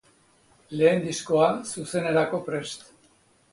Lehen diskoa, zuzenerako prest.